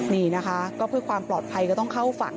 นี่นะคะก็เพื่อความปลอดภัยก็ต้องเข้าฝั่ง